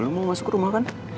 mau masuk ke rumah kan